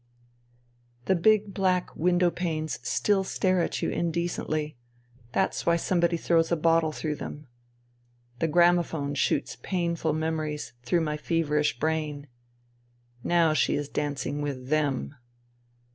... The big black window panes still stare at you indecently ; that's why somebody throws a bottle through them. The gramophone shoots painful memories through my feverish brain. Now she is dancing with them.